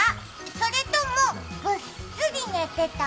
それともぐっすり寝てた？